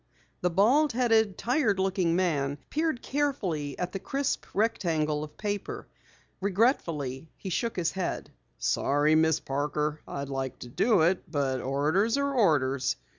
The bald headed, tired looking man peered carefully at the crisp rectangle of paper. Regretfully he shook his head. "Sorry, Miss Parker. I'd like to do it, but orders are orders.